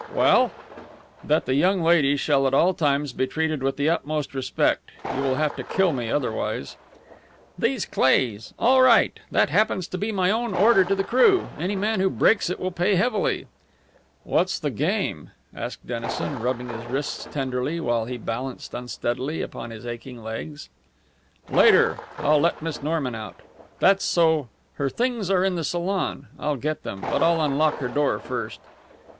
"Well?" "That the young lady shall at all times be treated with the utmost respect. You will have to kill me otherwise." "These Cleighs! All right. That happens to be my own order to the crew. Any man who breaks it will pay heavily." "What's the game?" asked Dennison, rubbing his wrists tenderly while he balanced unsteadily upon his aching legs. "Later! I'll let Miss Norman out. That's so her things are in the salon. I'll get them, but I'll unlock her door first."